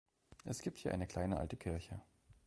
Es gibt hier eine kleine alte Kirche.